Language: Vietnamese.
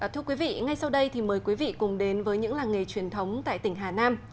thưa quý vị ngay sau đây thì mời quý vị cùng đến với những làng nghề truyền thống tại tỉnh hà nam